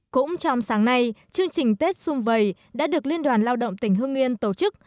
cũng trong sáng nay chương trình tết xung vầy đã được liên đoàn lao động tỉnh hương yên tổ chức